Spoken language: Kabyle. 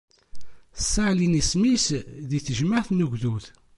Ssaɛlin isem-is di tejmaɛt n ugdud.